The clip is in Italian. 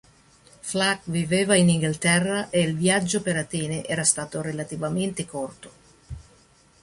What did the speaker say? Flack viveva in Inghilterra e il viaggio per Atene era stato relativamente corto.